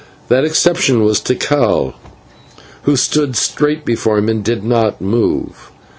That exception was Tikal, who stared straight before him and did not move.